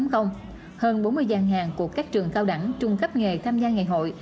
hơn bốn mươi gian hàng của các trường cao đẳng trung cấp nghề tham gia ngày hội